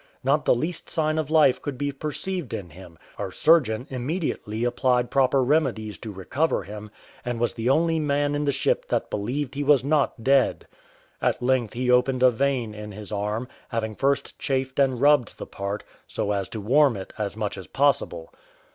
Not the least sign of life could be perceived in him; our surgeon immediately applied proper remedies to recover him, and was the only man in the ship that believed he was not dead. At length he opened a vein in his arm, having first chafed and rubbed the part, so as to warm it as much as possible.